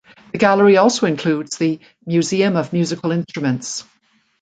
The gallery also includes the "Museum of Musical Instruments".